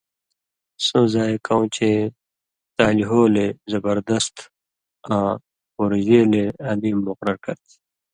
(سو زائ کؤں چے) تالی ہولے (زبردست) آں پورژېلے (علیم) مقرر کرچھی۔